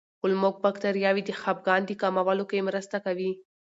کولمو بکتریاوې د خپګان د کمولو کې مرسته کوي.